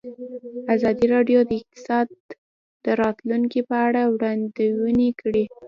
ازادي راډیو د اقتصاد د راتلونکې په اړه وړاندوینې کړې.